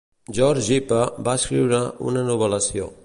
George Gipe va escriure una novel·lació.